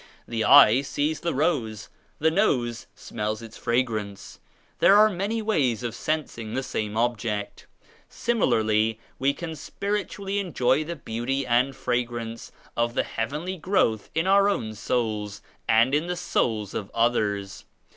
The eye sees the rose; the nose smells its fragrance. There are many ways of sensing the same object. Similarly we can spiritually enjoy the beauty and fragrance of the heavenly growth in our own souls and in the souls of others.